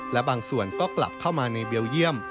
และบางส่วนก็กลับเข้ามาในเบลเยี่ยม